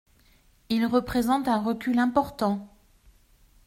Il représente un recul important.